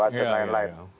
ada yang lain lain